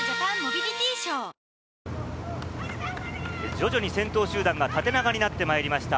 徐々に先頭集団が縦長になってまいりました。